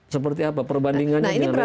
seperti apa perbandingannya seperti apa